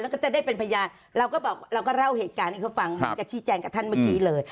แล้วก็ได้เป็นพยานเราก็เร่าเหตุการณ์ที่เขาฟังกับชีแจงที่แจงกับท่านเมื่อกี้เลย